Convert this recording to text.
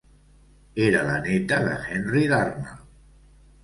Era la néta de Henry Darnall.